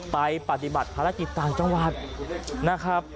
ปฏิบัติภารกิจต่างจังหวัดนะครับ